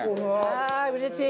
ああうれしい！